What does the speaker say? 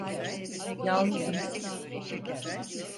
Yalnızım.